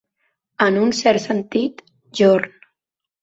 En un cert sentit, jorn.